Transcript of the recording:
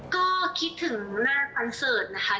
ก็คิดถึงหน้าคอนเสิร์ตนะคะ